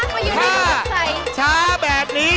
ว่าช้าแบบนี้